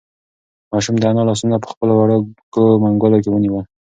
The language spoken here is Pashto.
ماشوم د انا لاسونه په خپلو وړوکو منگولو کې ونیول.